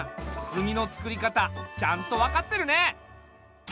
炭のつくり方ちゃんと分かってるね。